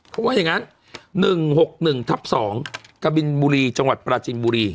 เพราะงั้นหนึ่งหกหนึ่งทับสองกะบิลบุรีจังหวัดประจินบุรี